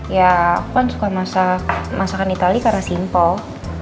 ya aku kan suka masak masakan itali karena simple